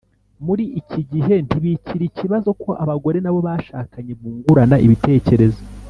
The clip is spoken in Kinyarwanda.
muri iki gihe, ntibikiri ikibazo ko abagore n’abo bashakanye bungurana ibitekerezo